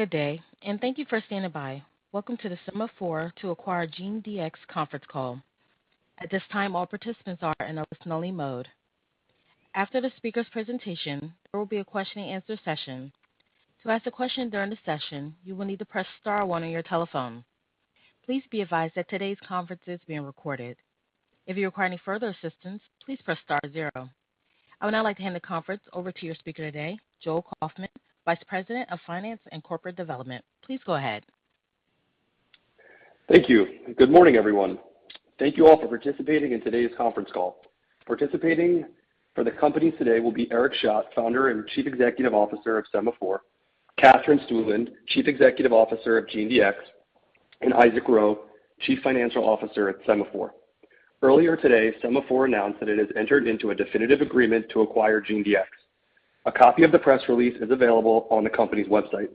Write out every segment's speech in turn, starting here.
Good day, and thank you for standing by. Welcome to the Sema4 to acquire GeneDx conference call. At this time, all participants are in a listen-only mode. After the speaker's presentation, there will be a question-and-answer session. To ask a question during the session, you will need to press Star one on your telephone. Please be advised that today's conference is being recorded. If you require any further assistance, please press Star zero. I would now like to hand the conference over to your speaker today, Joel Kaufman, Vice President of Finance and Corporate Development. Please go ahead. Thank you. Good morning, everyone. Thank you all for participating in today's conference call. Participating for the companies today will be Eric Schadt, Founder and Chief Executive Officer of Sema4, Katherine Stueland, Chief Executive Officer of GeneDx, and Isaac Ro, Chief Financial Officer at Sema4. Earlier today, Sema4 announced that it has entered into a definitive agreement to acquire GeneDx. A copy of the press release is available on the company's website.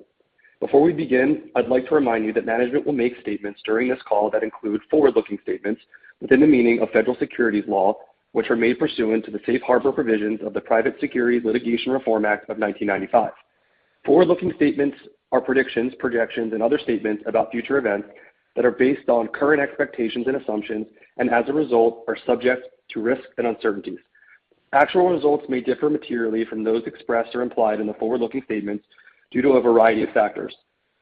Before we begin, I'd like to remind you that management will make statements during this call that include forward-looking statements within the meaning of federal securities law, which are made pursuant to the Safe Harbor provisions of the Private Securities Litigation Reform Act of 1995. Forward-looking statements are predictions, projections, and other statements about future events that are based on current expectations and assumptions, and as a result, are subject to risks and uncertainties. Actual results may differ materially from those expressed or implied in the forward-looking statements due to a variety of factors.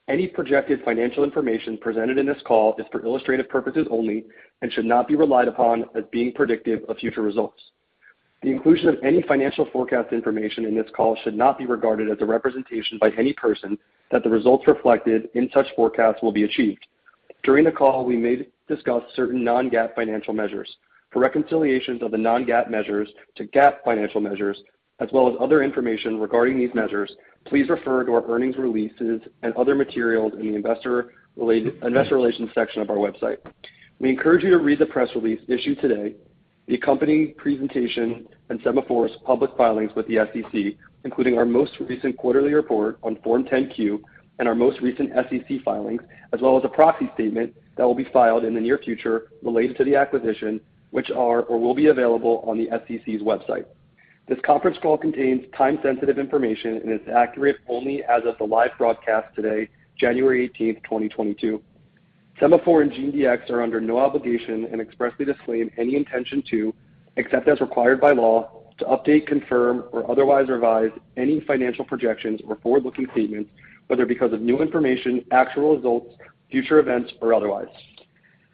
Any projected financial information presented in this call is for illustrative purposes only and should not be relied upon as being predictive of future results. The inclusion of any financial forecast information in this call should not be regarded as a representation by any person that the results reflected in such forecasts will be achieved. During the call, we may discuss certain non-GAAP financial measures. For reconciliations of the non-GAAP measures to GAAP financial measures as well as other information regarding these measures, please refer to our earnings releases and other materials in the investor relations section of our website. We encourage you to read the press release issued today, the accompanying presentation, and Sema4's public filings with the SEC, including our most recent quarterly report on Form 10-Q and our most recent SEC filings, as well as a proxy statement that will be filed in the near future related to the acquisition, which are or will be available on the SEC's website. This conference call contains time-sensitive information and is accurate only as of the live broadcast today, January 18, 2022. Sema4 and GeneDx are under no obligation and expressly disclaim any intention to, except as required by law, to update, confirm, or otherwise revise any financial projections or forward-looking statements, whether because of new information, actual results, future events, or otherwise.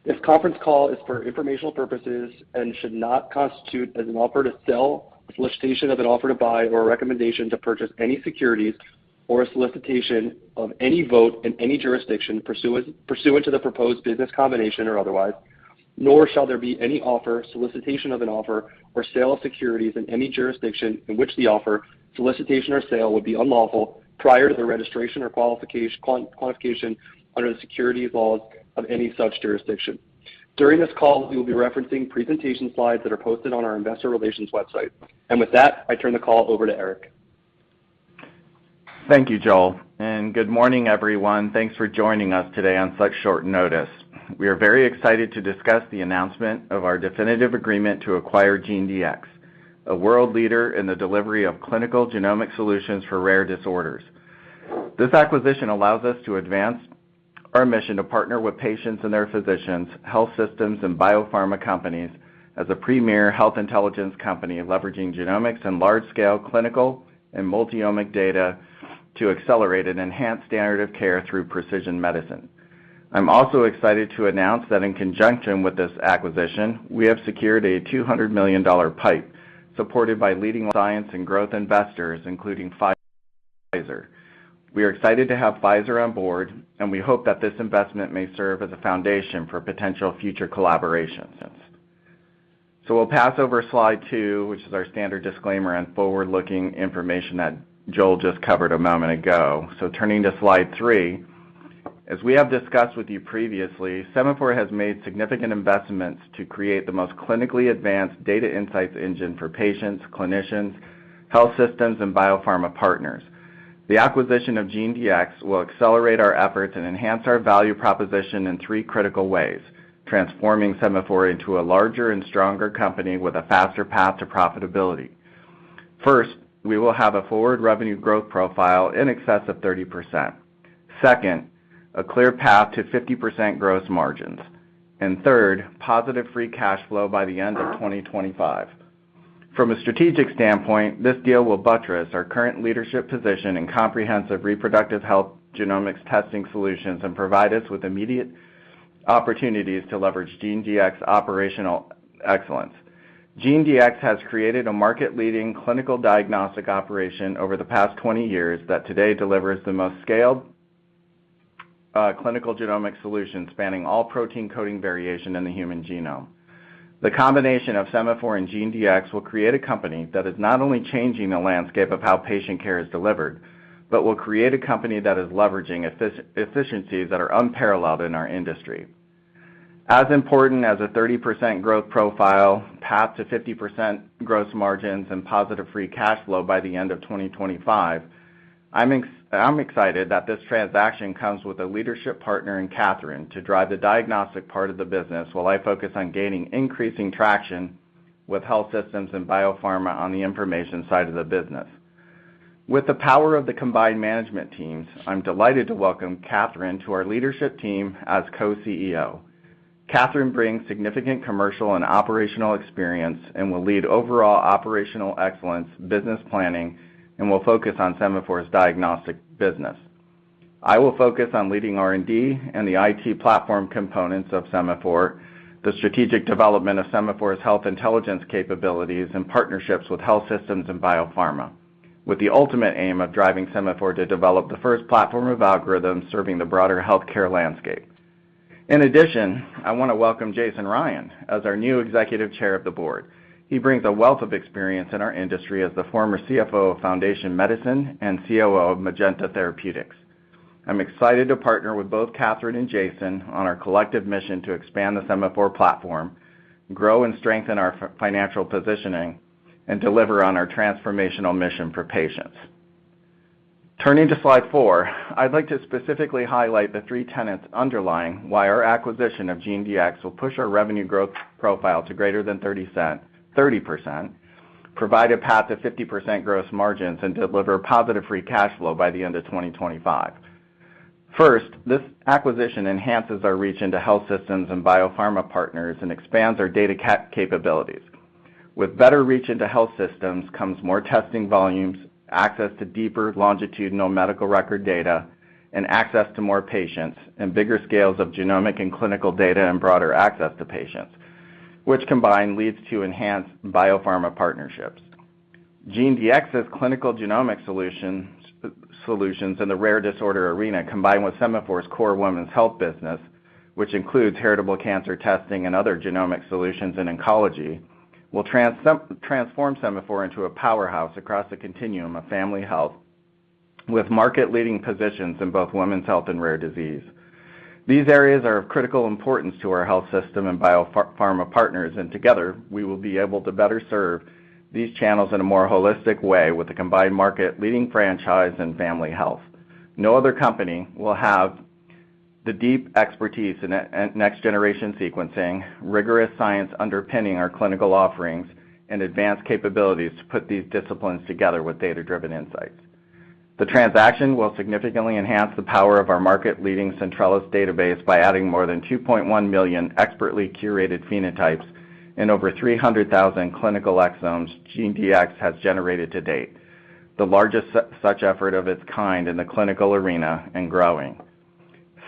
This conference call is for informational purposes and should not constitute as an offer to sell, a solicitation of an offer to buy, or a recommendation to purchase any securities or a solicitation of any vote in any jurisdiction pursuant to the proposed business combination or otherwise. Nor shall there be any offer, solicitation of an offer, or sale of securities in any jurisdiction in which the offer, solicitation, or sale would be unlawful prior to the registration or qualification under the securities laws of any such jurisdiction. During this call, we will be referencing presentation slides that are posted on our investor relations website. With that, I turn the call over to Eric. Thank you, Joel. Good morning, everyone. Thanks for joining us today on such short notice. We are very excited to discuss the announcement of our definitive agreement to acquire GeneDx, a world leader in the delivery of clinical genomic solutions for rare disorders. This acquisition allows us to advance our mission to partner with patients and their physicians, health systems, and biopharma companies as a premier health intelligence company, leveraging genomics and large-scale clinical and multi-omic data to accelerate and enhance standard of care through precision medicine. I'm also excited to announce that in conjunction with this acquisition, we have secured a $200 million PIPE supported by leading science and growth investors, including Pfizer. We are excited to have Pfizer on board, and we hope that this investment may serve as a foundation for potential future collaborations. We'll pass over Slide 2, which is our standard disclaimer on forward-looking information that Joel just covered a moment ago. Turning to Slide 3. As we have discussed with you previously, Sema4 has made significant investments to create the most clinically advanced data insights engine for patients, clinicians, health systems, and biopharma partners. The acquisition of GeneDx will accelerate our efforts and enhance our value proposition in three critical ways, transforming Sema4 into a larger and stronger company with a faster path to profitability. First, we will have a forward revenue growth profile in excess of 30%. Second, a clear path to 50% gross margins. And third, positive free cash flow by the end of 2025. From a strategic standpoint, this deal will buttress our current leadership position in comprehensive reproductive health genomics testing solutions and provide us with immediate opportunities to leverage GeneDx operational excellence. GeneDx has created a market-leading clinical diagnostic operation over the past 20 years that today delivers the most scaled, clinical genomic solution spanning all protein coding variation in the human genome. The combination of Sema4 and GeneDx will create a company that is not only changing the landscape of how patient care is delivered, but will create a company that is leveraging efficiency that are unparalleled in our industry. As important as a 30% growth profile, path to 50% gross margins, and positive free cash flow by the end of 2025, I'm excited that this transaction comes with a leadership partner in Katherine to drive the diagnostic part of the business while I focus on gaining increasing traction with health systems and biopharma on the information side of the business. With the power of the combined management teams, I'm delighted to welcome Katherine to our leadership team as Co-CEO. Katherine brings significant commercial and operational experience and will lead overall operational excellence, business planning, and will focus on Sema4's diagnostic business. I will focus on leading R&D and the IT platform components of Sema4, the strategic development of Sema4's health intelligence capabilities, and partnerships with health systems and biopharma, with the ultimate aim of driving Sema4 to develop the first platform of algorithms serving the broader healthcare landscape. In addition, I wanna welcome Jason Ryan as our new Executive Chair of the Board. He brings a wealth of experience in our industry as the former CFO of Foundation Medicine and COO of Magenta Therapeutics. I'm excited to partner with both Katherine and Jason on our collective mission to expand the Sema4 platform, grow and strengthen our financial positioning, and deliver on our transformational mission for patients. Turning to Slide 4, I'd like to specifically highlight the three tenets underlying why our acquisition of GeneDx will push our revenue growth profile to greater than 30% , provide a path to 50% gross margins, and deliver positive free cash flow by the end of 2025. First, this acquisition enhances our reach into health systems and biopharma partners and expands our data capabilities. With better reach into health systems comes more testing volumes, access to deeper longitudinal medical record data, and access to more patients, and bigger scales of genomic and clinical data and broader access to patients, which combined leads to enhanced biopharma partnerships. GeneDx's clinical genomic solutions in the rare disorder arena, combined with Sema4's core Women's Health business, which includes heritable cancer testing and other genomic solutions in oncology, will transform Sema4 into a powerhouse across the continuum of family health, with market-leading positions in both women's health and rare disease. These areas are of critical importance to our health system and biopharma partners, and together, we will be able to better serve these channels in a more holistic way with a combined market-leading franchise in family health. No other company will have the deep expertise in next-generation sequencing, rigorous science underpinning our clinical offerings, and advanced capabilities to put these disciplines together with data-driven insights. The transaction will significantly enhance the power of our market-leading Centrellis database by adding more than 2.1 million expertly curated phenotypes and over 300,000 clinical exomes, GeneDx has generated to date, the largest such effort of its kind in the clinical arena, and growing.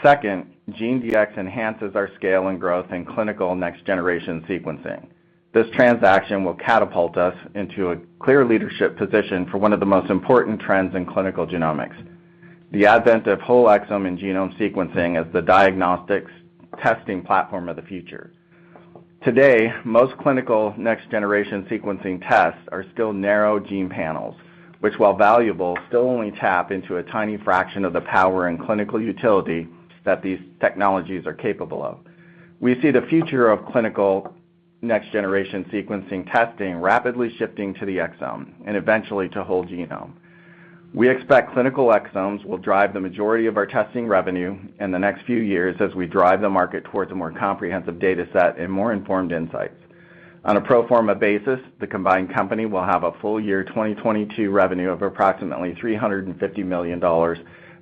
Second, GeneDx enhances our scale and growth in clinical next-generation sequencing. This transaction will catapult us into a clear leadership position for one of the most important trends in clinical genomics, the advent of whole exome and genome sequencing as the diagnostics testing platform of the future. Today, most clinical next-generation sequencing tests are still narrow gene panels, which, while valuable, still only tap into a tiny fraction of the power and clinical utility that these technologies are capable of. We see the future of clinical next-generation sequencing testing rapidly shifting to the exome and eventually to whole genome. We expect clinical exomes will drive the majority of our testing revenue in the next few years as we drive the market towards a more comprehensive data set and more informed insights. On a pro forma basis, the combined company will have a full-year 2022 revenue of approximately $350 million,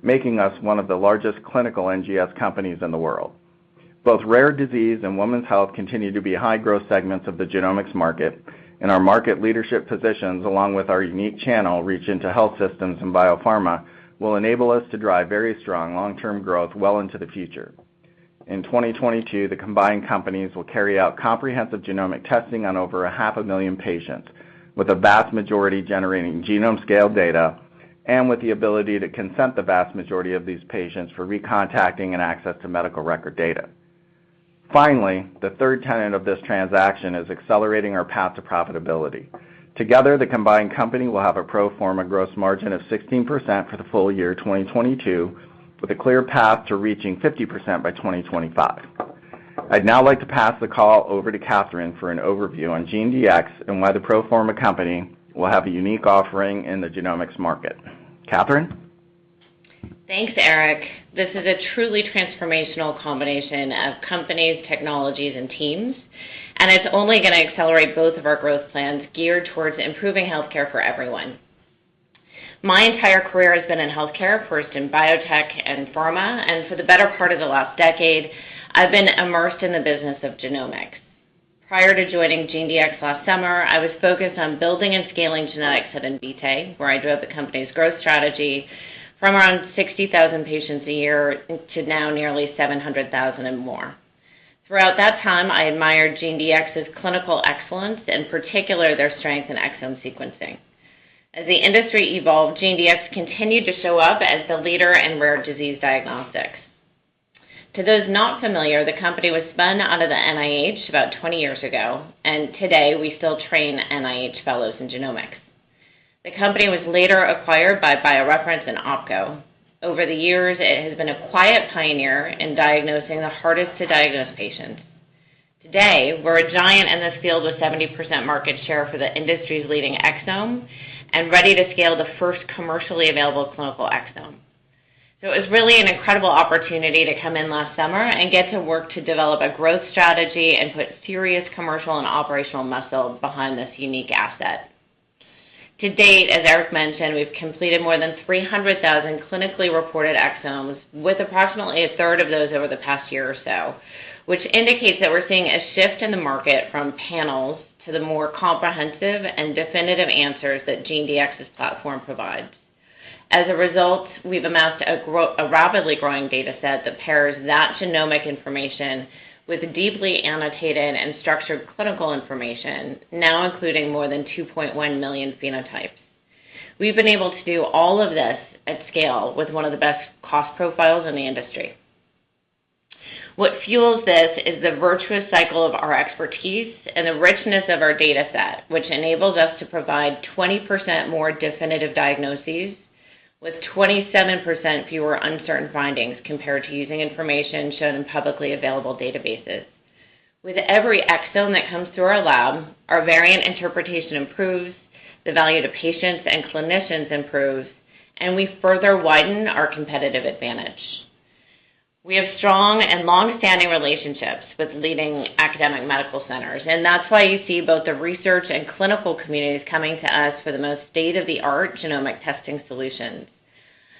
making us one of the largest clinical NGS companies in the world. Both rare disease and women's health continue to be high-growth segments of the genomics market, and our market leadership positions, along with our unique channel reach into health systems and biopharma, will enable us to drive very strong long-term growth well into the future. In 2022, the combined companies will carry out comprehensive genomic testing on over 500,000 patients, with the vast majority generating genome-scale data and with the ability to consent the vast majority of these patients for recontacting and access to medical record data. Finally, the third tenet of this transaction is accelerating our path to profitability. Together, the combined company will have a pro forma gross margin of 16% for the full year 2022, with a clear path to reaching 50% by 2025. I'd now like to pass the call over to Katherine for an overview on GeneDx and why the pro forma company will have a unique offering in the genomics market. Katherine? Thanks, Eric. This is a truly transformational combination of companies, technologies, and teams, and it's only gonna accelerate both of our growth plans geared towards improving healthcare for everyone. My entire career has been in healthcare, first in biotech and pharma, and for the better part of the last decade, I've been immersed in the business of genomics. Prior to joining GeneDx last summer, I was focused on building and scaling genetics at Invitae, where I drove the company's growth strategy from around 60,000 patients a year to now nearly 700,000 and more. Throughout that time, I admired GeneDx's clinical excellence, in particular, their strength in exome sequencing. As the industry evolved, GeneDx continued to show up as the leader in rare disease diagnostics. To those not familiar, the company was spun out of the NIH about 20 years ago, and today, we still train NIH fellows in genomics. The company was later acquired by BioReference and OPKO. Over the years, it has been a quiet pioneer in diagnosing the hardest to diagnose patients. Today, we're a giant in this field with 70% market share for the industry's leading exome and ready to scale the first commercially available clinical exome. It was really an incredible opportunity to come in last summer and get to work to develop a growth strategy and put serious commercial and operational muscle behind this unique asset. To date, as Eric mentioned, we've completed more than 300,000 clinically reported exomes with approximately a third of those over the past year or so, which indicates that we're seeing a shift in the market from panels to the more comprehensive and definitive answers that GeneDx's platform provides. As a result, we've amassed a rapidly growing data set that pairs that genomic information with deeply annotated and structured clinical information, now including more than 2.1 million phenotypes. We've been able to do all of this at scale with one of the best cost profiles in the industry. What fuels this is the virtuous cycle of our expertise and the richness of our data set, which enables us to provide 20% more definitive diagnoses with 27% fewer uncertain findings compared to using information shown in publicly available databases. With every exome that comes through our lab, our variant interpretation improves, the value to patients and clinicians improves, and we further widen our competitive advantage. We have strong and long-standing relationships with leading academic medical centers, and that's why you see both the research and clinical communities coming to us for the most state-of-the-art genomic testing solutions.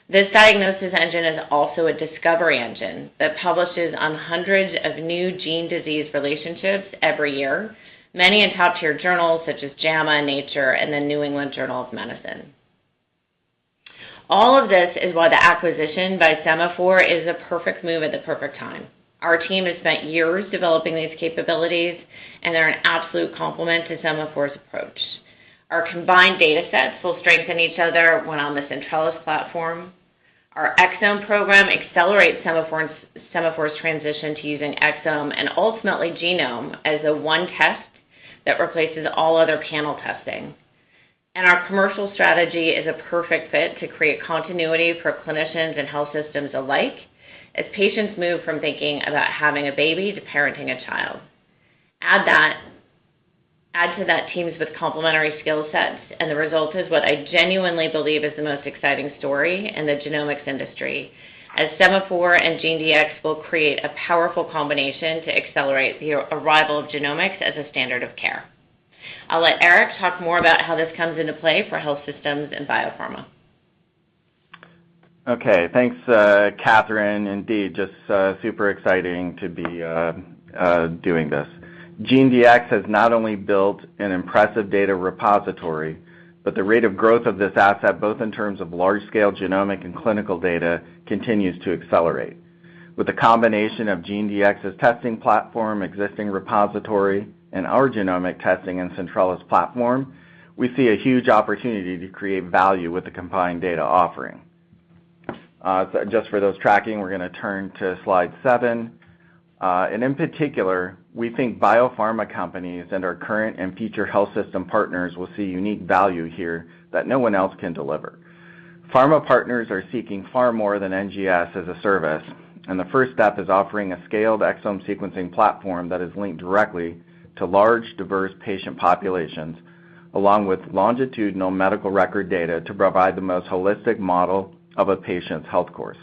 This diagnosis engine is also a discovery engine that publishes on hundreds of new gene-disease relationships every year, many in top-tier journals such as JAMA, Nature, and the New England Journal of Medicine. All of this is why the acquisition by Sema4 is the perfect move at the perfect time. Our team has spent years developing these capabilities, and they're an absolute complement to Sema4's approach. Our combined data sets will strengthen each other when on the Centrellis platform. Our exome program accelerates Sema4's transition to using exome and ultimately genome as a one test that replaces all other panel testing. Our commercial strategy is a perfect fit to create continuity for clinicians and health systems alike as patients move from thinking about having a baby to parenting a child. Add to that teams with complementary skill sets, and the result is what I genuinely believe is the most exciting story in the genomics industry, as Sema4 and GeneDx will create a powerful combination to accelerate the arrival of genomics as a standard of care. I'll let Eric talk more about how this comes into play for health systems and biopharma. Okay. Thanks, Katherine. Indeed, just super exciting to be doing this. GeneDx has not only built an impressive data repository, but the rate of growth of this asset, both in terms of large-scale genomic and clinical data, continues to accelerate. With the combination of GeneDx's testing platform, existing repository, and our genomic testing and Centrellis platform, we see a huge opportunity to create value with the combined data offering. Just for those tracking, we're gonna turn to Slide 7. In particular, we think biopharma companies and our current and future health system partners will see unique value here that no one else can deliver. Pharma partners are seeking far more than NGS as a service, and the first step is offering a scaled exome sequencing platform that is linked directly to large, diverse patient populations, along with longitudinal medical record data to provide the most holistic model of a patient's health course.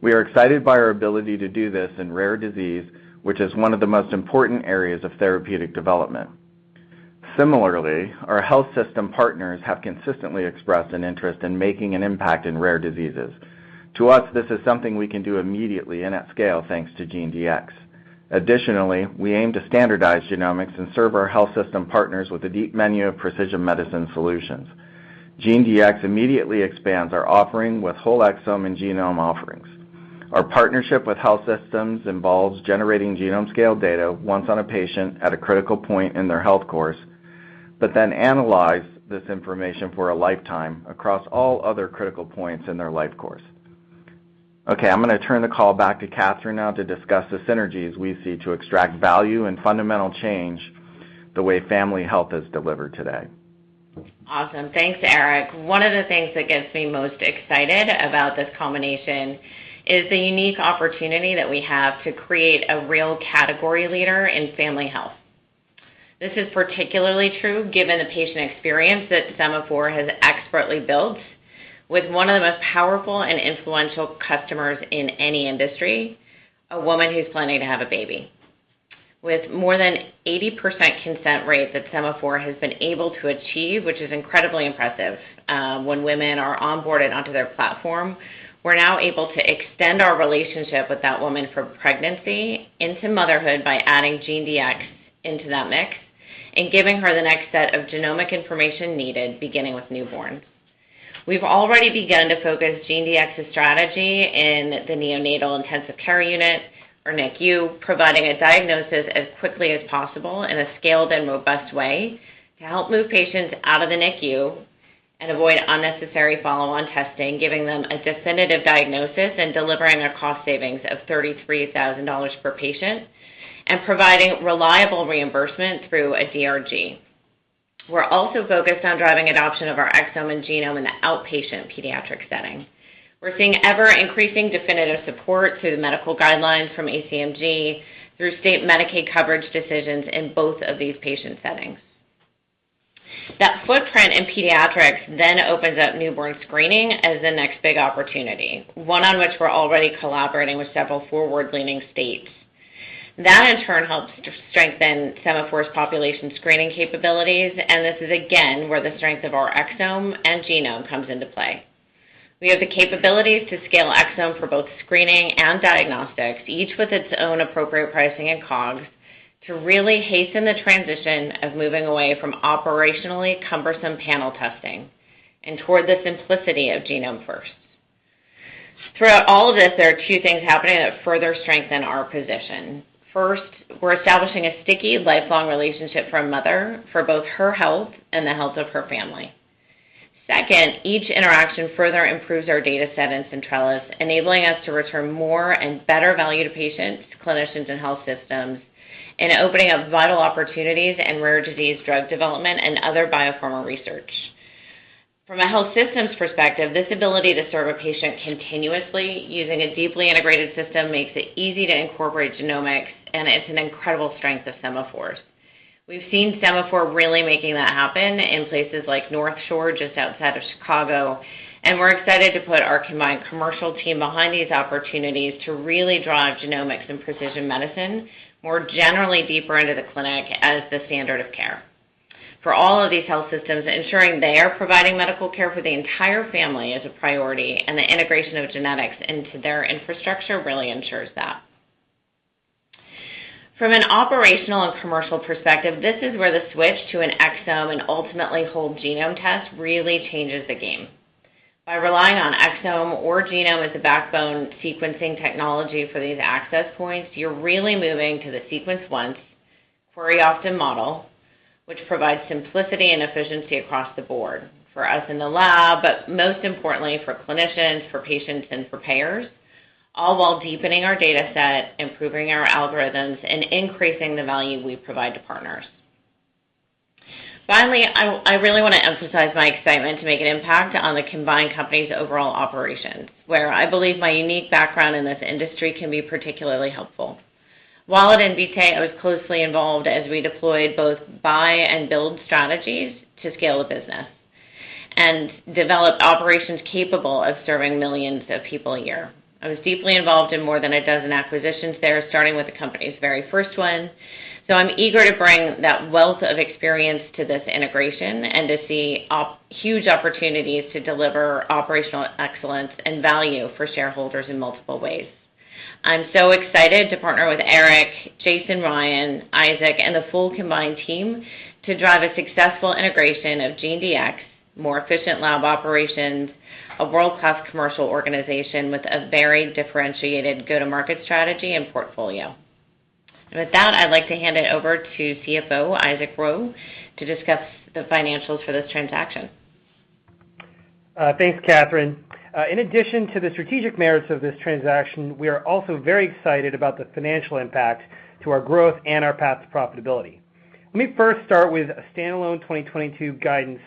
We are excited by our ability to do this in rare disease, which is one of the most important areas of therapeutic development. Similarly, our health system partners have consistently expressed an interest in making an impact in rare diseases. To us, this is something we can do immediately and at scale, thanks to GeneDx. Additionally, we aim to standardize genomics and serve our health system partners with a deep menu of precision medicine solutions. GeneDx immediately expands our offering with whole exome and genome offerings. Our partnership with health systems involves generating genome-scale data once on a patient at a critical point in their health course, but then analyze this information for a lifetime across all other critical points in their life course. Okay, I'm gonna turn the call back to Katherine now to discuss the synergies we see to extract value and fundamental change the way family health is delivered today. Awesome. Thanks, Eric. One of the things that gets me most excited about this combination is the unique opportunity that we have to create a real category leader in family health. This is particularly true given the patient experience that Sema4 has expertly built with one of the most powerful and influential customers in any industry, a woman who's planning to have a baby. With more than 80% consent rate that Sema4 has been able to achieve, which is incredibly impressive, when women are onboarded onto their platform, we're now able to extend our relationship with that woman from pregnancy into motherhood by adding GeneDx into that mix and giving her the next set of genomic information needed beginning with newborns. We've already begun to focus GeneDx's strategy in the neonatal intensive care unit, or NICU, providing a diagnosis as quickly as possible in a scaled and robust way to help move patients out of the NICU and avoid unnecessary follow-on testing, giving them a definitive diagnosis and delivering a cost savings of $33,000 per patient and providing reliable reimbursement through a DRG. We're also focused on driving adoption of our exome and genome in the outpatient pediatric setting. We're seeing ever-increasing definitive support through the medical guidelines from ACMG through state Medicaid coverage decisions in both of these patient settings. That footprint in pediatrics then opens up newborn screening as the next big opportunity, one on which we're already collaborating with several forward-leaning states. That, in turn, helps to strengthen Sema4's population screening capabilities, and this is again, where the strength of our exome and genome comes into play. We have the capabilities to scale exome for both screening and diagnostics, each with its own appropriate pricing and COGS, to really hasten the transition of moving away from operationally cumbersome panel testing and toward the simplicity of genome first. Throughout all of this, there are two things happening that further strengthen our position. First, we're establishing a sticky, lifelong relationship for a mother for both her health and the health of her family. Second, each interaction further improves our data set in Centrellis, enabling us to return more and better value to patients, clinicians, and health systems, and opening up vital opportunities in rare disease drug development and other biopharma research. From a health systems perspective, this ability to serve a patient continuously using a deeply integrated system makes it easy to incorporate genomics, and it's an incredible strength of Sema4's. We've seen Sema4 really making that happen in places like NorthShore, just outside of Chicago, and we're excited to put our combined commercial team behind these opportunities to really drive genomics and precision medicine more generally deeper into the clinic as the standard of care. For all of these health systems, ensuring they are providing medical care for the entire family is a priority, and the integration of genetics into their infrastructure really ensures that. From an operational and commercial perspective, this is where the switch to an exome and ultimately whole genome test really changes the game. By relying on exome or genome as a backbone sequencing technology for these access points, you're really moving to the sequence once, query often model, which provides simplicity and efficiency across the board for us in the lab, but most importantly for clinicians, for patients, and for payers, all while deepening our data set, improving our algorithms, and increasing the value we provide to partners. Finally, I really want to emphasize my excitement to make an impact on the combined company's overall operations, where I believe my unique background in this industry can be particularly helpful. While at Invitae, I was closely involved as we deployed both buy and build strategies to scale the business and develop operations capable of serving millions of people a year. I was deeply involved in more than a dozen acquisitions there, starting with the company's very first one, so I'm eager to bring that wealth of experience to this integration and to see huge opportunities to deliver operational excellence and value for shareholders in multiple ways. I'm so excited to partner with Eric, Jason Ryan, Isaac, and the full combined team to drive a successful integration of GeneDx, more efficient lab operations, a world-class commercial organization with a very differentiated go-to-market strategy and portfolio. With that, I'd like to hand it over to CFO Isaac Ro to discuss the financials for this transaction. Thanks, Katherine. In addition to the strategic merits of this transaction, we are also very excited about the financial impact to our growth and our path to profitability. Let me first start with a standalone 2022 guidance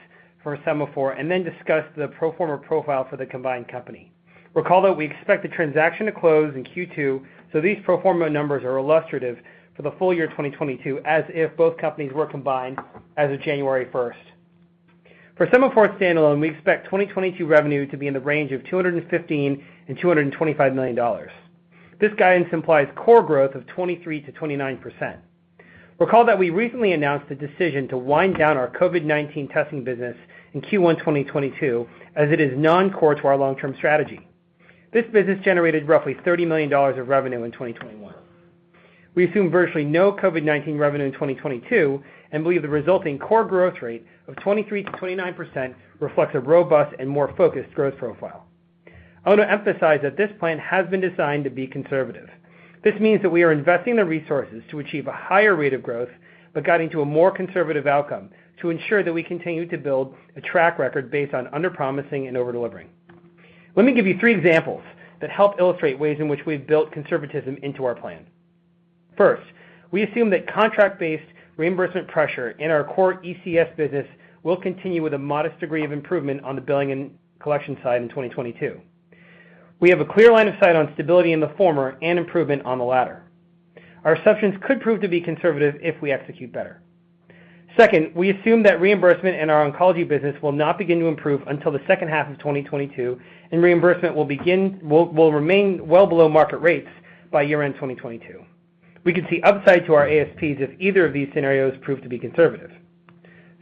for Sema4, and then discuss the pro forma profile for the combined company. Recall that we expect the transaction to close in Q2, so these pro forma numbers are illustrative for the full year 2022, as if both companies were combined as of January 1st. For Sema4 standalone, we expect 2022 revenue to be in the range of $215 million-$225 million. This guidance implies core growth of 23%-29%. Recall that we recently announced the decision to wind down our COVID-19 testing business in Q1 2022, as it is non-core to our long-term strategy. This business generated roughly $30 million of revenue in 2021. We assume virtually no COVID-19 revenue in 2022 and believe the resulting core growth rate of 23%-29% reflects a robust and more focused growth profile. I want to emphasize that this plan has been designed to be conservative. This means that we are investing the resources to achieve a higher rate of growth, but guiding to a more conservative outcome to ensure that we continue to build a track record based on underpromising and over-delivering. Let me give you three examples that help illustrate ways in which we've built conservatism into our plan. First, we assume that contract-based reimbursement pressure in our core ECS business will continue with a modest degree of improvement on the billing and collection side in 2022. We have a clear line of sight on stability in the former and improvement on the latter. Our assumptions could prove to be conservative if we execute better. Second, we assume that reimbursement in our Oncology business will not begin to improve until the second half of 2022, and reimbursement will remain well below market rates by year-end 2022. We could see upside to our ASPs if either of these scenarios prove to be conservative.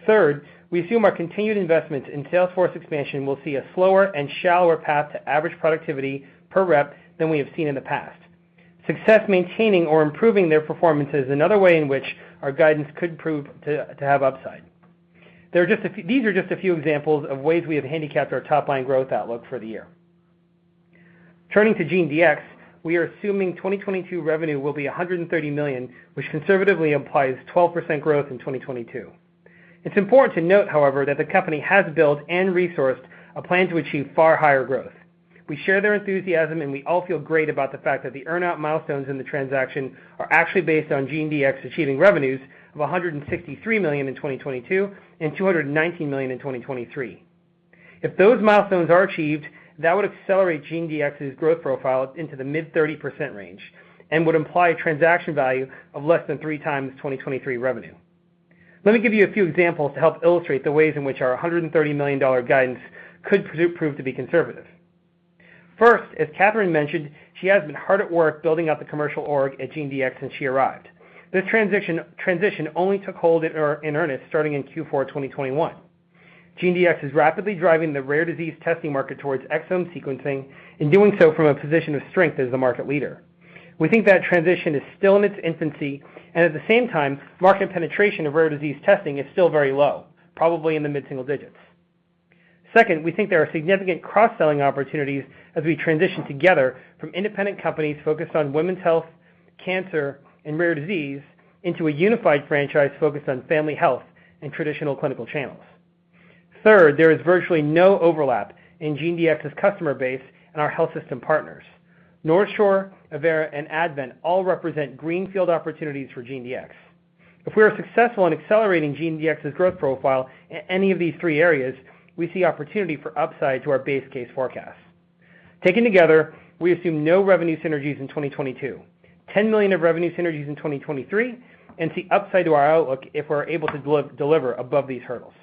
Third, we assume our continued investments in sales force expansion will see a slower and shallower path to average productivity per rep than we have seen in the past. Success maintaining or improving their performance is another way in which our guidance could prove to have upside. These are just a few examples of ways we have handicapped our top-line growth outlook for the year. Turning to GeneDx, we are assuming 2022 revenue will be $130 million, which conservatively implies 12% growth in 2022. It's important to note, however, that the company has built and resourced a plan to achieve far higher growth. We share their enthusiasm, and we all feel great about the fact that the earn-out milestones in the transaction are actually based on GeneDx achieving revenues of $163 million in 2022 and $219 million in 2023. If those milestones are achieved, that would accelerate GeneDx's growth profile into the mid-30% range and would imply a transaction value of less than 3x 2023 revenue. Let me give you a few examples to help illustrate the ways in which our $130 million guidance could prove to be conservative. First, as Katherine mentioned, she has been hard at work building out the commercial org at GeneDx since she arrived. This transition only took hold in earnest starting in Q4 2021. GeneDx is rapidly driving the rare disease testing market towards exome sequencing, and doing so from a position of strength as the market leader. We think that transition is still in its infancy, and at the same time, market penetration of rare disease testing is still very low, probably in the mid single digits. Second, we think there are significant cross-selling opportunities as we transition together from independent companies focused on women's health, cancer, and rare disease into a unified franchise focused on family health and traditional clinical channels. Third, there is virtually no overlap in GeneDx's customer base and our health system partners. NorthShore, Avera, and Advent all represent greenfield opportunities for GeneDx. If we are successful in accelerating GeneDx's growth profile in any of these three areas, we see opportunity for upside to our base case forecast. Taken together, we assume no revenue synergies in 2022, $10 million of revenue synergies in 2023, and see upside to our outlook if we're able to deliver above these hurdles.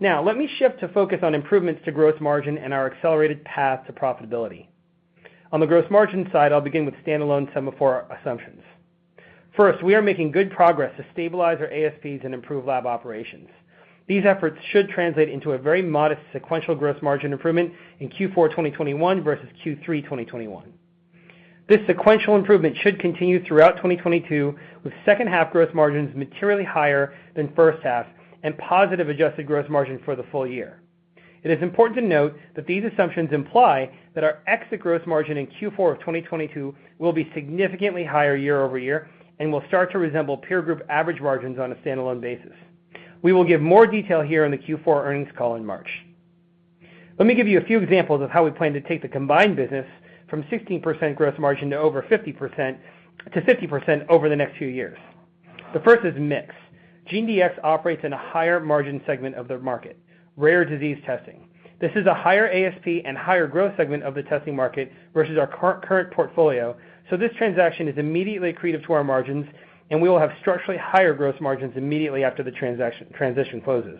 Now, let me shift to focus on improvements to gross margin and our accelerated path to profitability. On the gross margin side, I'll begin with standalone Sema4 assumptions. First, we are making good progress to stabilize our ASPs and improve lab operations. These efforts should translate into a very modest sequential gross margin improvement in Q4 2021 versus Q3 2021. This sequential improvement should continue throughout 2022, with second half gross margins materially higher than first half and positive adjusted gross margin for the full-year. It is important to note that these assumptions imply that our exit gross margin in Q4 of 2022 will be significantly higher year-over-year and will start to resemble peer group average margins on a standalone basis. We will give more detail here on the Q4 earnings call in March. Let me give you a few examples of how we plan to take the combined business from 16% gross margin to over 50%, to 50% over the next few years. The first is mix. GeneDx operates in a higher margin segment of the market, rare disease testing. This is a higher ASP and higher growth segment of the testing market versus our current portfolio, so this transaction is immediately accretive to our margins, and we will have structurally higher gross margins immediately after the transaction closes.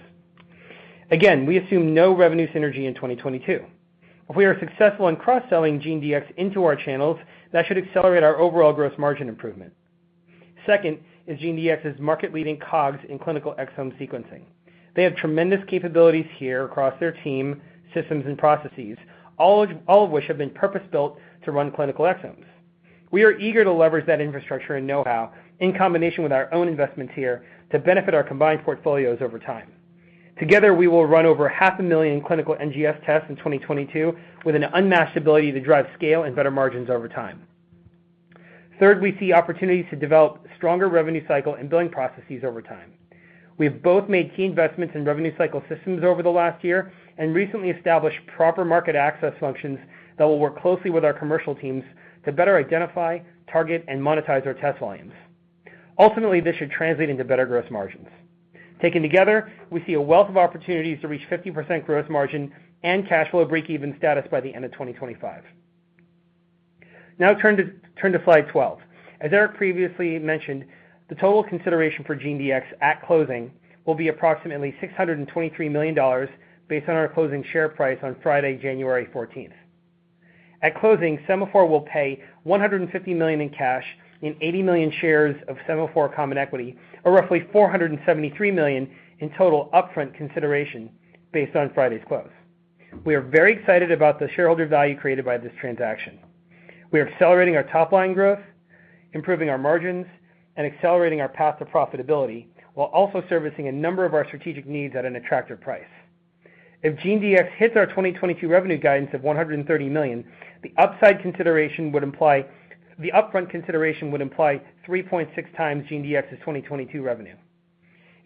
Again, we assume no revenue synergy in 2022. If we are successful in cross-selling GeneDx into our channels, that should accelerate our overall gross margin improvement. Second is GeneDx' market-leading COGS in clinical exome sequencing. They have tremendous capabilities here across their team, systems, and processes, all of which have been purpose-built to run clinical exomes. We are eager to leverage that infrastructure and know-how in combination with our own investments here to benefit our combined portfolios over time. Together, we will run over 500,000 clinical NGS tests in 2022 with an unmatched ability to drive scale and better margins over time. Third, we see opportunities to develop stronger revenue cycle and billing processes over time. We have both made key investments in revenue cycle systems over the last year and recently established proper market access functions that will work closely with our commercial teams to better identify, target, and monetize our test volumes. Ultimately, this should translate into better gross margins. Taken together, we see a wealth of opportunities to reach 50% gross margin and cash flow breakeven status by the end of 2025. Now turn to Slide 12. As Eric previously mentioned, the total consideration for GeneDx at closing will be approximately $623 million based on our closing share price on Friday, January 14th. At closing, Sema4 will pay $150 million in cash and 80 million shares of Sema4 common equity, or roughly $473 million in total upfront consideration based on Friday's close. We are very excited about the shareholder value created by this transaction. We are accelerating our top-line growth, improving our margins, and accelerating our path to profitability while also servicing a number of our strategic needs at an attractive price. If GeneDx hits our 2022 revenue guidance of $130 million, the upside consideration would imply the upfront consideration would imply 3.6x GeneDx's 2022 revenue.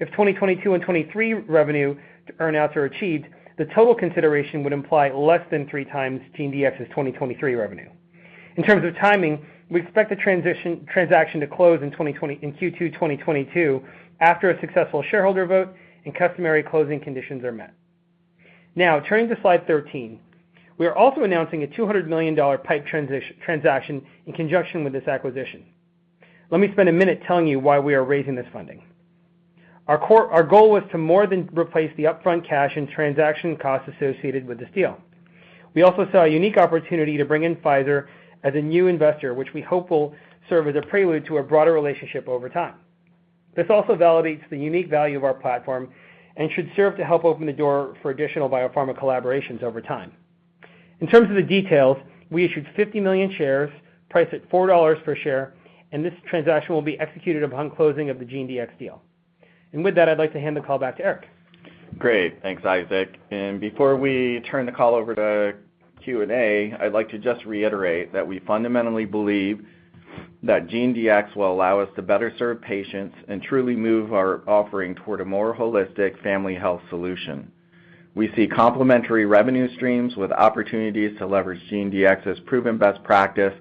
If 2022 and 2023 revenue earn-outs are achieved, the total consideration would imply less than 3x GeneDx's 2023 revenue. In terms of timing, we expect the transaction to close in Q2 2022 after a successful shareholder vote and customary closing conditions are met. Now, turning to Slide 13. We are also announcing a $200 million PIPE transaction in conjunction with this acquisition. Let me spend a minute telling you why we are raising this funding. Our core, our goal was to more than replace the upfront cash and transaction costs associated with this deal. We also saw a unique opportunity to bring in Pfizer as a new investor, which we hope will serve as a prelude to a broader relationship over time. This also validates the unique value of our platform and should serve to help open the door for additional biopharma collaborations over time. In terms of the details, we issued 50 million shares priced at $4 per share, and this transaction will be executed upon closing of the GeneDx deal. With that, I'd like to hand the call back to Eric. Great. Thanks, Isaac. Before we turn the call over to Q&A, I'd like to just reiterate that we fundamentally believe that GeneDx will allow us to better serve patients and truly move our offering toward a more holistic family health solution. We see complementary revenue streams with opportunities to leverage GeneDx' proven best practice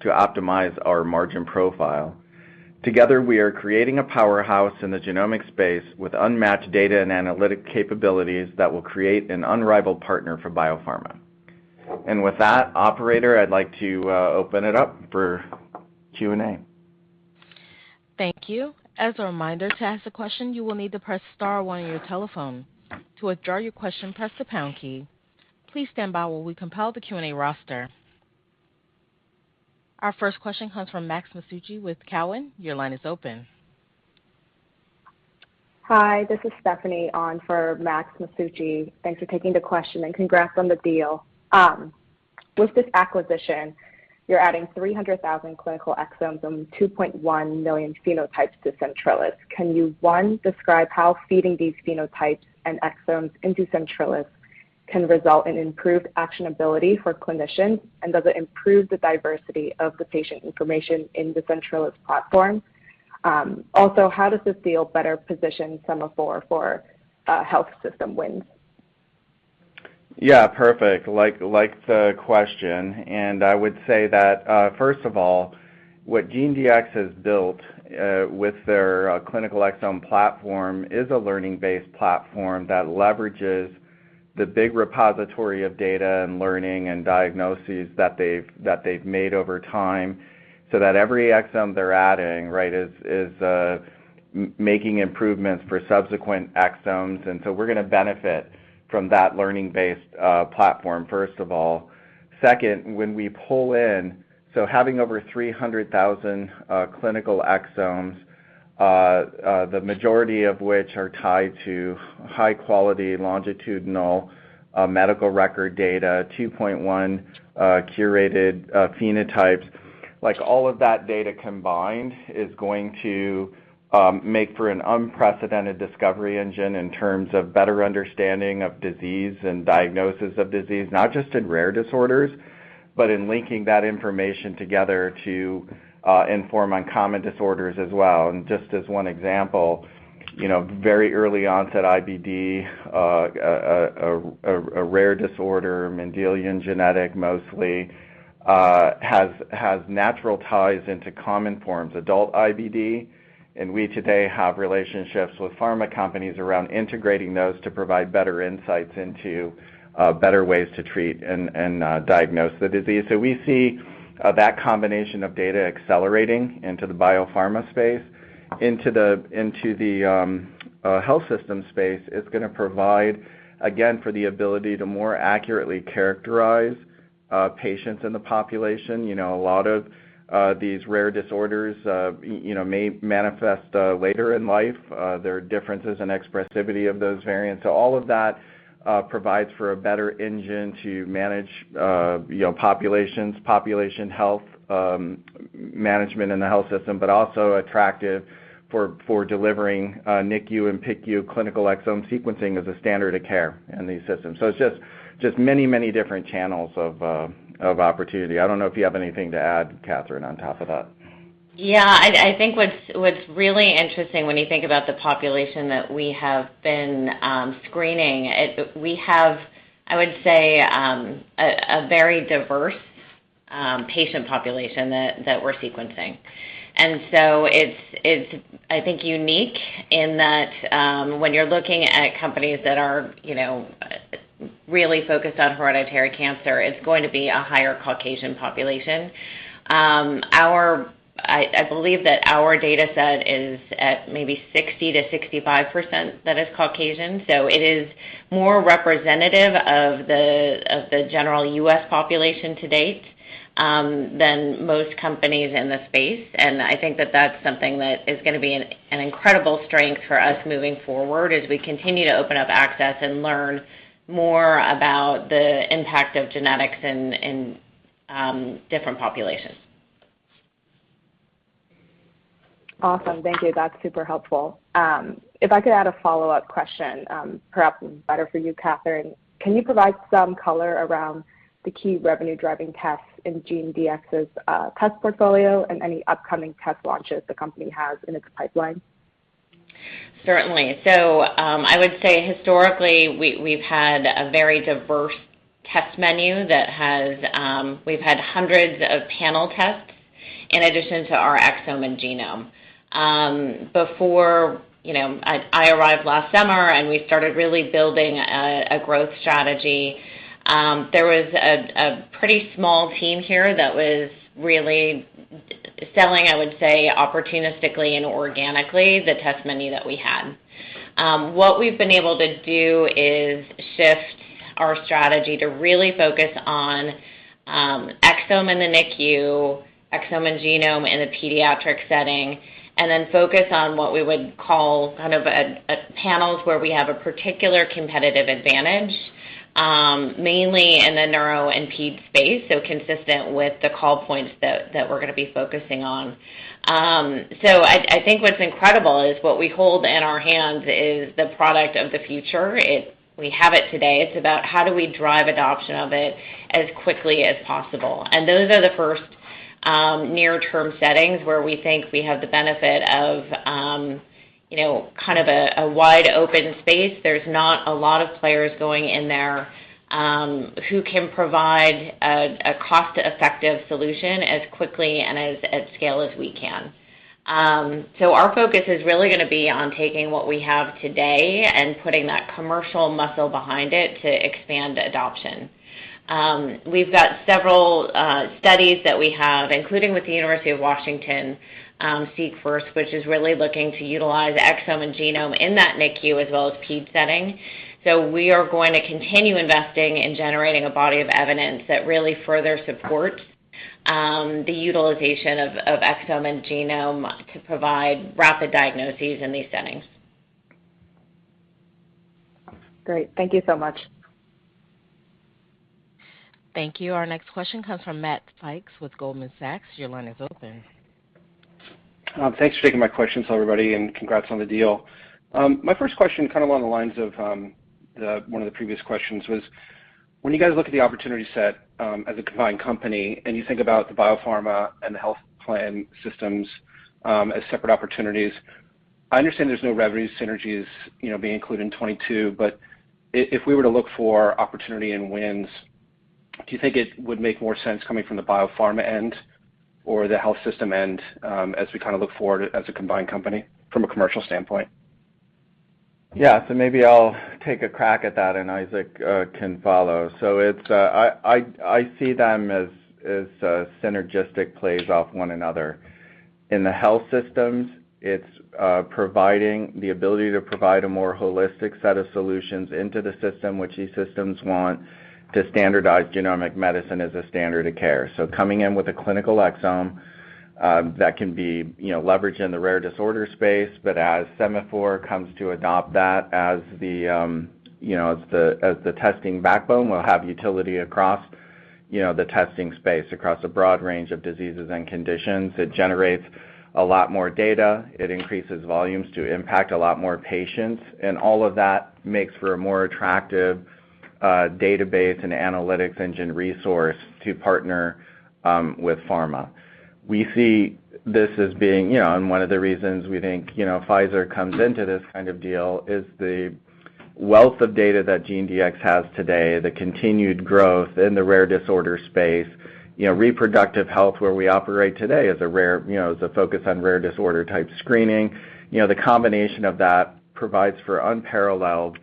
to optimize our margin profile. Together, we are creating a powerhouse in the genomic space with unmatched data and analytic capabilities that will create an unrivaled partner for biopharma. With that, operator, I'd like to open it up for Q&A. Thank you. As a reminder, to ask a question, you will need to press Star one on your telephone. To withdraw your question, press the Pound key. Please stand by while we compile the Q&A roster. Our first question comes from Max Masucci with Cowen. Your line is open. Hi, this is Stephanie on for Max Masucci. Thanks for taking the question and congrats on the deal. With this acquisition, you're adding 300,000 clinical exomes and 2.1 million phenotypes to Centrellis. Can you, one, describe how feeding these phenotypes and exomes into Centrellis can result in improved actionability for clinicians? And does it improve the diversity of the patient information in the Centrellis platform? Also, how does this deal better position Sema4 for health system wins? Yeah, perfect. I like the question, and I would say that first of all, what GeneDx has built with their clinical exome platform is a learning-based platform that leverages the big repository of data and learning and diagnoses that they've made over time, so that every exome they're adding, right, is making improvements for subsequent exomes. We're gonna benefit from that learning-based platform, first of all. Second, having over 300,000 clinical exomes, the majority of which are tied to high-quality, longitudinal medical record data, 2.1 curated phenotypes. Like, all of that data combined is going to make for an unprecedented discovery engine in terms of better understanding of disease and diagnosis of disease, not just in rare disorders, but in linking that information together to inform on common disorders as well. Just as one example, you know, very early onset IBD, a rare disorder, Mendelian genetic mostly, has natural ties into common forms, adult IBD, and we today have relationships with pharma companies around integrating those to provide better insights into better ways to treat and diagnose the disease. We see that combination of data accelerating into the biopharma space. Into the health system space, it's gonna provide, again, for the ability to more accurately characterize patients in the population. You know, a lot of these rare disorders, you know, may manifest later in life. There are differences in expressivity of those variants. All of that provides for a better engine to manage, you know, populations, population health management in the health system, but also attractive for delivering NICU and PICU clinical exome sequencing as a standard of care in these systems. It's just many different channels of opportunity. I don't know if you have anything to add, Katherine, on top of that. Yeah. I think what's really interesting when you think about the population that we have been screening, we have, I would say, a very diverse patient population that we're sequencing. It's, I think, unique in that, when you're looking at companies that are, you know, really focused on hereditary cancer, it's going to be a higher Caucasian population. I believe that our data set is at maybe 60%-65% that is Caucasian. It is more representative of the general U.S. population to date than most companies in the space, and I think that that's something that is gonna be an incredible strength for us moving forward as we continue to open up access and learn more about the impact of genetics in different populations. Awesome. Thank you. That's super helpful. If I could add a follow-up question, perhaps better for you, Katherine. Can you provide some color around the key revenue-driving tests in GeneDx's test portfolio and any upcoming test launches the company has in its pipeline? Certainly. I would say historically, we've had a very diverse test menu that has. We've had hundreds of panel tests in addition to our exome and genome. Before, you know, I arrived last summer and we started really building a growth strategy, there was a pretty small team here that was really selling, I would say, opportunistically and organically, the test menu that we had. What we've been able to do is shift our strategy to really focus on exome in the NICU, exome and genome in a pediatric setting, and then focus on what we would call kind of panels where we have a particular competitive advantage, mainly in the neuro and ped space, so consistent with the call points that we're gonna be focusing on. I think what's incredible is what we hold in our hands is the product of the future. It. We have it today. It's about how do we drive adoption of it as quickly as possible. Those are the first near-term settings where we think we have the benefit of. You know, kind of a wide open space. There's not a lot of players going in there, who can provide a cost-effective solution as quickly and at scale as we can. Our focus is really gonna be on taking what we have today and putting that commercial muscle behind it to expand adoption. We've got several studies that we have, including with the University of Washington, SeqFirst, which is really looking to utilize exome and genome in that NICU as well as ped setting. We are going to continue investing in generating a body of evidence that really further supports the utilization of exome and genome to provide rapid diagnoses in these settings. Great. Thank you so much. Thank you. Our next question comes from Matt Sykes with Goldman Sachs. Your line is open. Thanks for taking my questions, everybody, and congrats on the deal. My first question, kind of along the lines of one of the previous questions, was when you guys look at the opportunity set, as a combined company, and you think about the biopharma and the health systems, as separate opportunities, I understand there's no revenue synergies, you know, being included in 2022, but if we were to look for opportunity and wins, do you think it would make more sense coming from the biopharma end or the health system end, as we kind of look forward as a combined company from a commercial standpoint? Yeah. Maybe I'll take a crack at that, and Isaac can follow. It's I see them as synergistic plays off one another. In the health systems, it's providing the ability to provide a more holistic set of solutions into the system, which these systems want to standardize genomic medicine as a standard of care. Coming in with a clinical exome that can be, you know, leveraged in the rare disorder space, but as Sema4 comes to adopt that as the testing backbone, we'll have utility across, you know, the testing space, across a broad range of diseases and conditions. It generates a lot more data. It increases volumes to impact a lot more patients, and all of that makes for a more attractive database and analytics engine resource to partner with pharma. We see this as being, you know, and one of the reasons we think, you know, Pfizer comes into this kind of deal is the wealth of data that GeneDx has today, the continued growth in the rare disorder space. You know, reproductive health, where we operate today, is a rare, you know, is a focus on rare disorder type screening. You know, the combination of that provides for unparalleled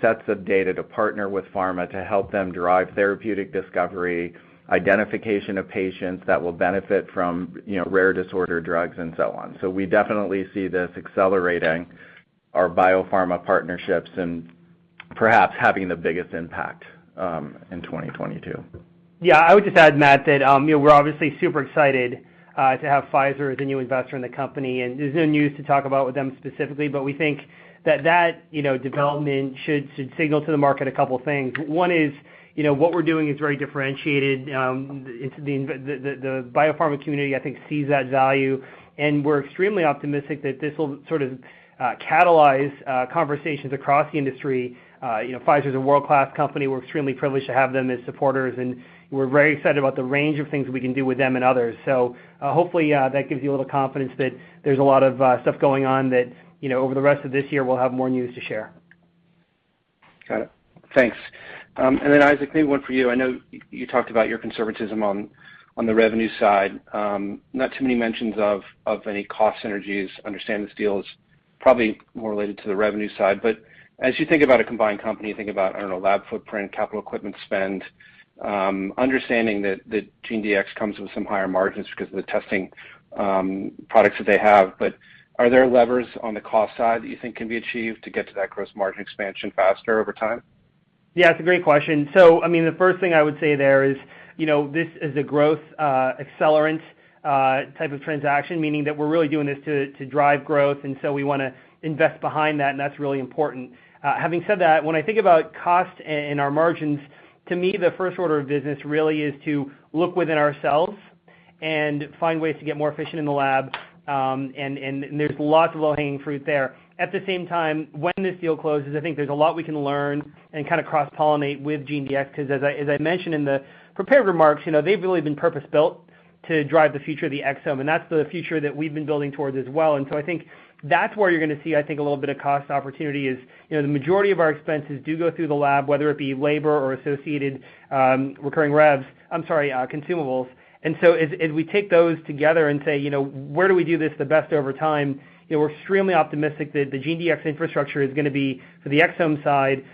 sets of data to partner with pharma to help them derive therapeutic discovery, identification of patients that will benefit from, you know, rare disorder drugs and so on. So we definitely see this accelerating our biopharma partnerships and perhaps having the biggest impact in 2022. Yeah. I would just add, Matt, that you know, we're obviously super excited to have Pfizer as a new investor in the company, and there's no news to talk about with them specifically, but we think that development should signal to the market a couple things. One is, you know, what we're doing is very differentiated. It's the biopharma community, I think, sees that value, and we're extremely optimistic that this will sort of catalyze conversations across the industry. You know, Pfizer's a world-class company. We're extremely privileged to have them as supporters, and we're very excited about the range of things we can do with them and others. Hopefully, that gives you a little confidence that there's a lot of stuff going on that, you know, over the rest of this year, we'll have more news to share. Got it. Thanks. Isaac, maybe one for you. I know you talked about your conservatism on the revenue side. Not too many mentions of any cost synergies. I understand this deal is probably more related to the revenue side. As you think about a combined company, you think about, I don't know, lab footprint, capital equipment spend, understanding that GeneDx comes with some higher margins 'cause of the testing products that they have. Are there levers on the cost side that you think can be achieved to get to that gross margin expansion faster over time? Yeah, it's a great question. I mean, the first thing I would say there is, you know, this is a growth accelerant type of transaction, meaning that we're really doing this to drive growth and so we wanna invest behind that, and that's really important. Having said that, when I think about cost and our margins, to me, the first order of business really is to look within ourselves and find ways to get more efficient in the lab, and there's lots of low-hanging fruit there. At the same time, when this deal closes, I think there's a lot we can learn and kinda cross-pollinate with GeneDx, 'cause as I mentioned in the prepared remarks, you know, they've really been purpose-built to drive the future of the exome, and that's the future that we've been building towards as well. I think that's where you're gonna see, I think, a little bit of cost opportunity is, you know, the majority of our expenses do go through the lab, whether it be labor or associated consumables. As we take those together and say, you know, where do we do this the best over time, you know, we're extremely optimistic that the GeneDx infrastructure is gonna be, for the exome side,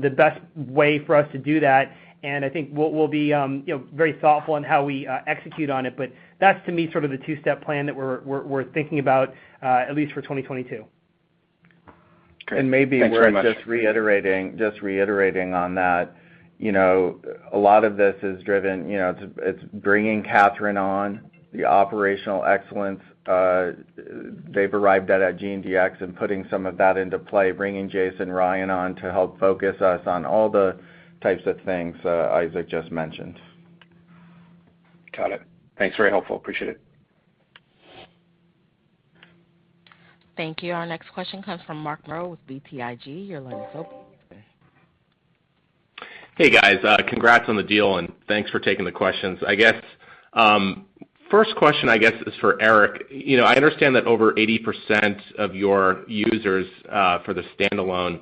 the best way for us to do that. I think what we'll be, you know, very thoughtful in how we execute on it, but that's, to me, sort of the two-step plan that we're thinking about, at least for 2022. Great. Thanks very much. Maybe worth just reiterating on that, you know, a lot of this is driven, you know, it's bringing Katherine on, the operational excellence they've arrived at GeneDx and putting some of that into play, bringing Jason Ryan on to help focus us on all the types of things Isaac just mentioned. Got it. Thanks, very helpful. Appreciate it. Thank you. Our next question comes from Mark Massaro with BTIG. Your line is open. Hey guys, congrats on the deal, and thanks for taking the questions. I guess, first question I guess is for Eric. You know, I understand that over 80% of your users, for the standalone,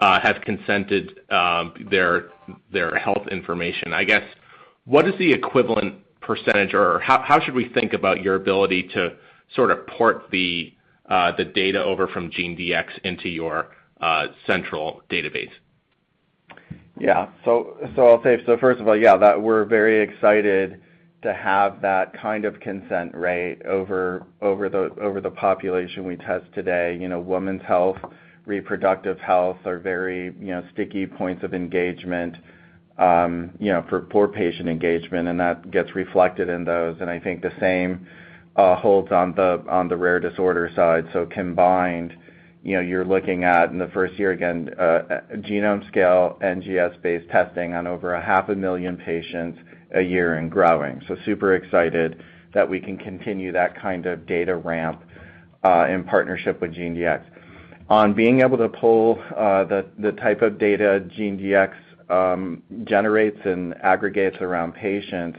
have consented, their health information. I guess, what is the equivalent percentage or how should we think about your ability to sort of port the data over from GeneDx into your, central database? Yeah. I'll say first of all, yeah, that we're very excited to have that kind of consent rate over the population we test today. You know, women's health, reproductive health are very, you know, sticky points of engagement, you know, for poor patient engagement, and that gets reflected in those. I think the same holds on the rare disorder side. Combined, you know, you're looking at, in the first year again, genome scale, NGS-based testing on over 500,000 patients a year and growing. Super excited that we can continue that kind of data ramp in partnership with GeneDx. On being able to pull the type of data GeneDx generates and aggregates around patients,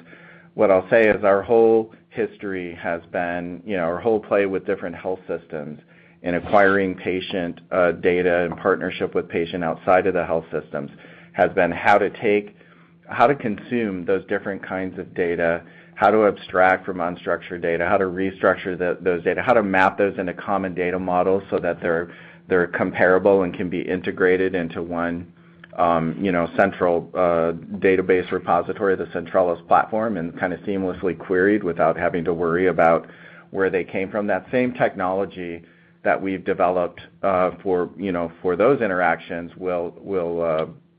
what I'll say is our whole history has been, you know, our whole play with different health systems in acquiring patient data and partnership with patient outside of the health systems, has been how to consume those different kinds of data, how to abstract from unstructured data, how to restructure those data, how to map those in a common data model so that they're comparable and can be integrated into one, you know, central database repository, the Centrellis platform, and kind of seamlessly queried without having to worry about where they came from. That same technology that we've developed, for, you know, for those interactions will,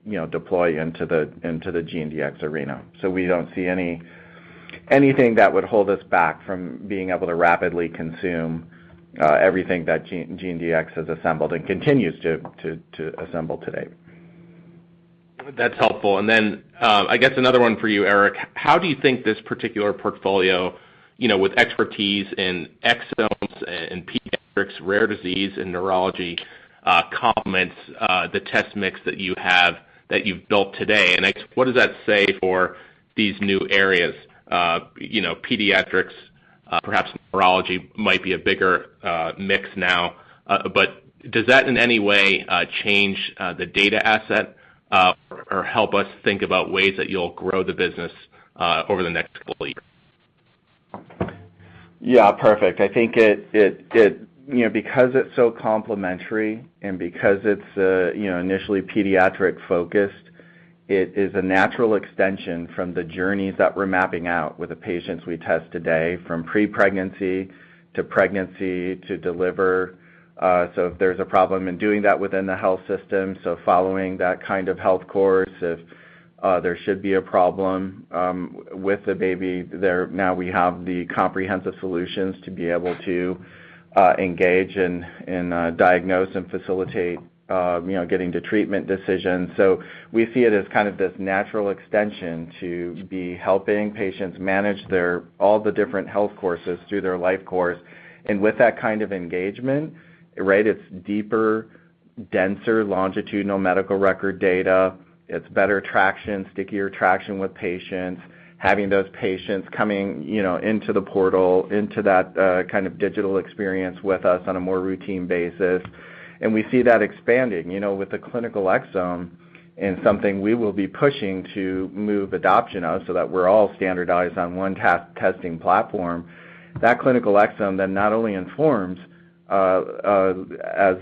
you know, deploy into the GeneDx arena. We don't see anything that would hold us back from being able to rapidly consume everything that GeneDx has assembled and continues to assemble today. That's helpful. Then, I guess another one for you, Eric. How do you think this particular portfolio, you know, with expertise in exomes and pediatrics, rare disease and neurology, complements the test mix that you have, that you've built today? What does that say for these new areas? You know, pediatrics, perhaps neurology might be a bigger mix now. But does that in any way change the data asset, or help us think about ways that you'll grow the business over the next couple of y`ears? Yeah, perfect. I think it. You know, because it's so complementary and because it's, you know, initially pediatric-focused, it is a natural extension from the journeys that we're mapping out with the patients we test today, from pre-pregnancy to pregnancy to deliver. If there's a problem in doing that within the health system, following that kind of health course, if there should be a problem with the baby, there now we have the comprehensive solutions to be able to engage and diagnose and facilitate, you know, getting to treatment decisions. We see it as kind of this natural extension to be helping patients manage their all the different health courses through their life course. With that kind of engagement, right, it's deeper, denser, longitudinal medical record data. It's better traction, stickier traction with patients. Having those patients coming, you know, into the portal, into that kind of digital experience with us on a more routine basis. We see that expanding, you know, with the clinical exome and something we will be pushing to move adoption of so that we're all standardized on one testing platform. That clinical exome then not only informs as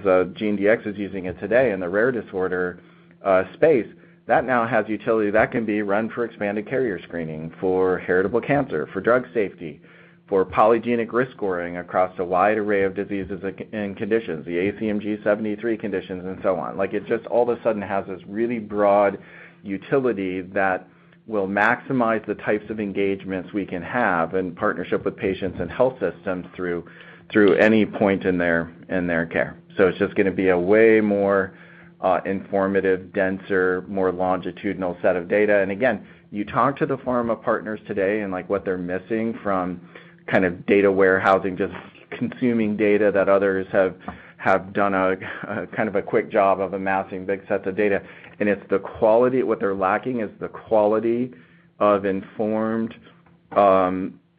GeneDx is using it today in the rare disorder space, that now has utility. That can be run for expanded carrier screening, for heritable cancer, for drug safety, for polygenic risk scoring across a wide array of diseases and conditions, the ACMG 73 conditions and so on. Like, it just all of a sudden has this really broad utility that will maximize the types of engagements we can have in partnership with patients and health systems through any point in their care. It's just gonna be a way more informative, denser, more longitudinal set of data. Again, you talk to the pharma partners today and, like, what they're missing from kind of data warehousing, just consuming data that others have done a kind of quick job of amassing big sets of data. What they're lacking is the quality of informed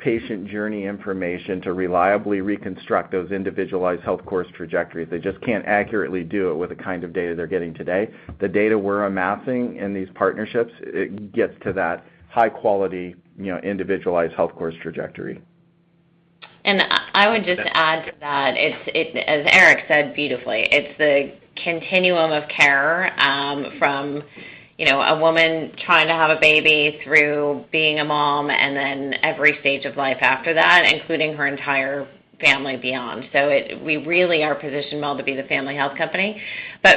patient journey information to reliably reconstruct those individualized health course trajectories. They just can't accurately do it with the kind of data they're getting today. The data we're amassing in these partnerships, it gets to that high quality, you know, individualized healthcare trajectory. I would just add to that. It's as Eric said beautifully. It's the continuum of care, from you know, a woman trying to have a baby through being a mom and then every stage of life after that, including her entire family beyond. We really are positioned well to be the family health company.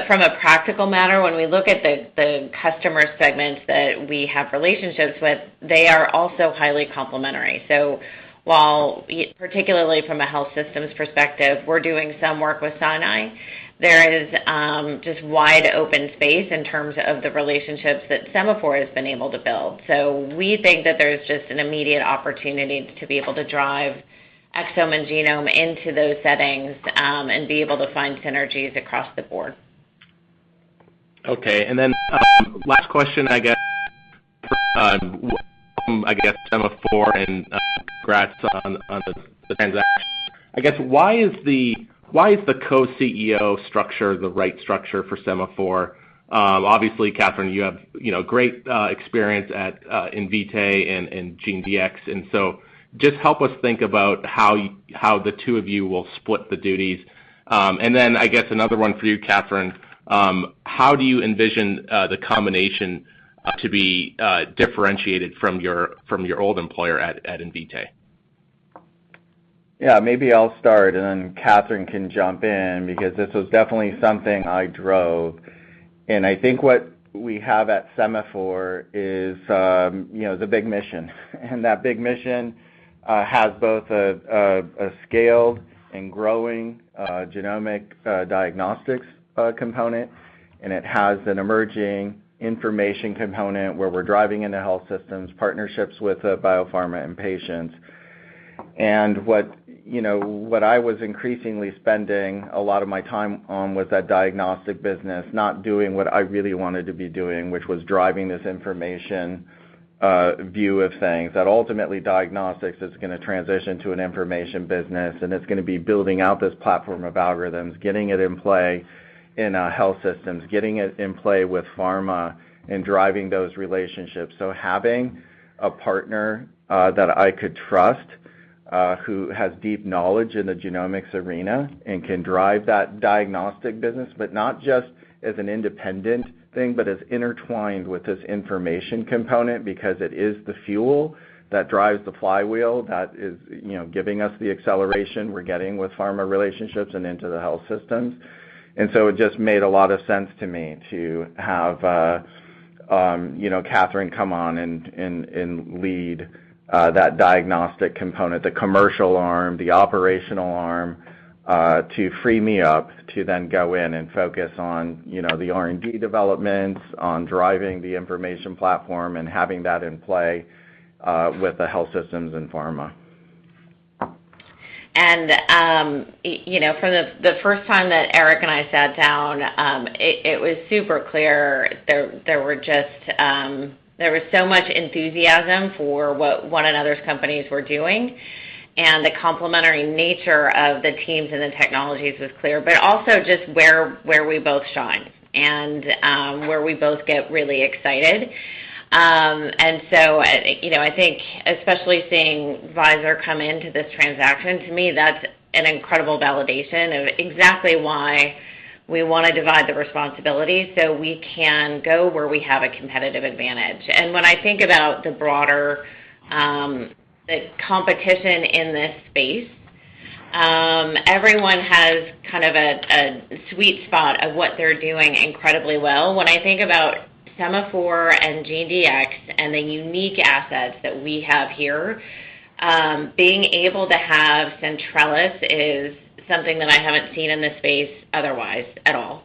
From a practical matter, when we look at the customer segments that we have relationships with, they are also highly complementary. While, particularly from a health systems perspective, we're doing some work with Sinai, there is just wide-open space in terms of the relationships that Sema4 has been able to build. We think that there's just an immediate opportunity to be able to drive exome and genome into those settings, and be able to find synergies across the board. Okay. Last question, I guess, Sema4 and congrats on the transaction. I guess why is the Co-CEO structure the right structure for Sema4? Obviously, Katherine, you have, you know, great experience at Invitae and GeneDx. Just help us think about how the two of you will split the duties. I guess another one for you, Katherine, how do you envision the combination to be differentiated from your old employer at Invitae? Yeah. Maybe I'll start, and then Katherine can jump in because this was definitely something I drove. I think what we have at Sema4 is, you know, the big mission. That big mission has both a scaled and growing genomic diagnostics component, and it has an emerging information component where we're driving into health systems, partnerships with biopharma and patients. What you know, what I was increasingly spending a lot of my time on was that diagnostic business, not doing what I really wanted to be doing, which was driving this information view of things that ultimately diagnostics is gonna transition to an information business, and it's gonna be building out this platform of algorithms, getting it in play in health systems, getting it in play with pharma and driving those relationships. Having a partner that I could trust who has deep knowledge in the genomics arena and can drive that diagnostic business, but not just as an independent thing, but as intertwined with this information component because it is the fuel that drives the flywheel that is, you know, giving us the acceleration we're getting with pharma relationships and into the health systems. It just made a lot of sense to me to have, you know, Katherine come on and lead that diagnostic component, the commercial arm, the operational arm to free me up to then go in and focus on, you know, the R&D developments, on driving the information platform and having that in play with the health systems and pharma. You know, for the first time that Eric and I sat down, it was super clear there was so much enthusiasm for what one another's companies were doing, and the complementary nature of the teams and the technologies was clear, but also just where we both shine and where we both get really excited. You know, I think especially seeing Pfizer come into this transaction, to me, that's an incredible validation of exactly why we wanna divide the responsibility so we can go where we have a competitive advantage. When I think about the broader competition in this space, everyone has kind of a sweet spot of what they're doing incredibly well. When I think about Sema4 and GeneDx and the unique assets that we have here, being able to have Centrellis is something that I haven't seen in this space otherwise at all.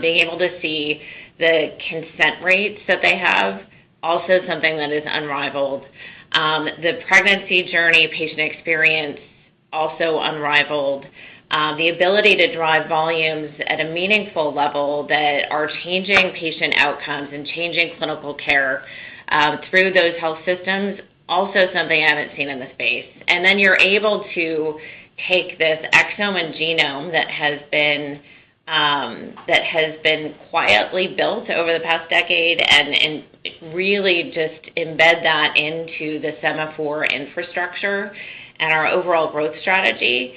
Being able to see the consent rates that they have, also something that is unrivaled. The pregnancy journey patient experience, also unrivaled. The ability to drive volumes at a meaningful level that are changing patient outcomes and changing clinical care, through those health systems, also something I haven't seen in the space. Then you're able to take this exome and genome that has been quietly built over the past decade and really just embed that into the Sema4 infrastructure and our overall growth strategy.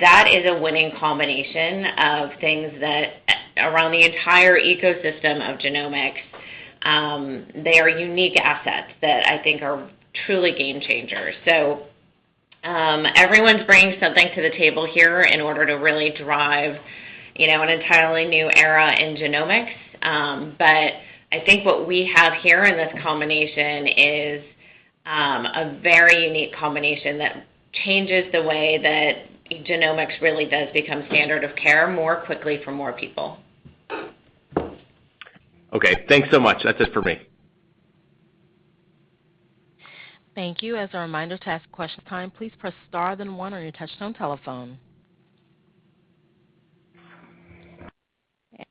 That is a winning combination of things that around the entire ecosystem of genomics, they are unique assets that I think are truly game changers. Everyone's bringing something to the table here in order to really drive, you know, an entirely new era in genomics. I think what we have here in this combination is a very unique combination that changes the way that genomics really does become standard of care more quickly for more people. Okay. Thanks so much. That's it for me. Thank you. As a reminder to ask question time, please press Star then one on your touchtone telephone.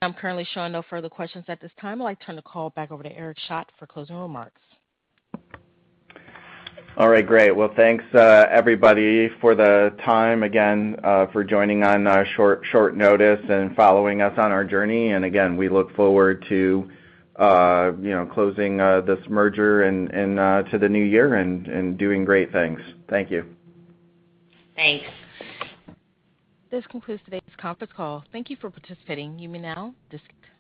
I'm currently showing no further questions at this time. I'd like to turn the call back over to Eric Schadt for closing remarks. All right. Great. Well, thanks, everybody for the time, again, for joining on short notice and following us on our journey. Again, we look forward to, you know, closing this merger and to the new year and doing great things. Thank you. Thanks. This concludes today's conference call. Thank you for participating. You may now disconnect.